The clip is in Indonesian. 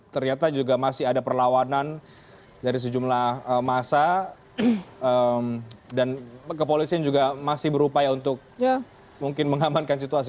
ternyata juga masih ada perlawanan dari sejumlah masa dan kepolisian juga masih berupaya untuk mungkin mengamankan situasi